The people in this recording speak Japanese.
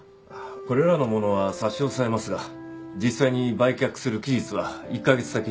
これらのものは差し押さえますが実際に売却する期日は１カ月先に指定します。